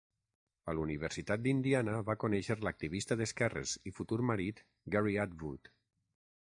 A l'Universitat d'Indiana va conèixer l'activista d'esquerres i futur marit Gary Atwood.